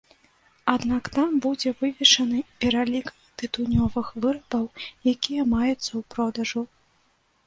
Аднак там будзе вывешаны пералік тытунёвых вырабаў, якія маюцца ў продажу.